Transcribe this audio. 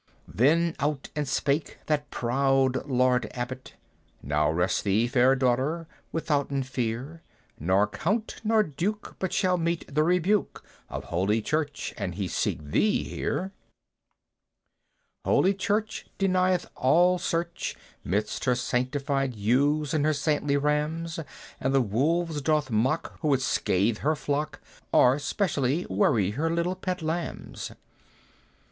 Then out and spake that proud Lord Abbot, "Now rest thee, fair daughter, withouten fear. Nor Count nor Duke but shall meet the rebuke Of Holy Church an he seek thee here: "Holy Church denieth all search 'Midst her sanctified ewes and her saintly rams, And the wolves doth mock who would scathe her flock, Or, especially, worry her little pet lambs.